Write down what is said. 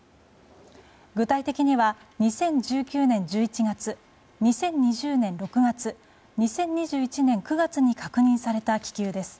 具体的には、２０１９年１１月２０２０年６月２０２１年９月に確認された気球です。